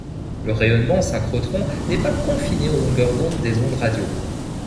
Le rayonnement synchrotron n'est pas confiné aux longueurs d'onde des ondes radio.